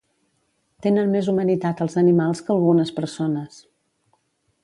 Tenen més humanitat els animals que algunes persones